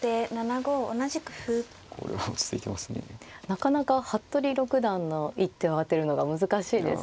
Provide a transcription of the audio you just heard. なかなか服部六段の一手を当てるのが難しいですね。